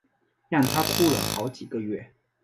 让她哭了好几个月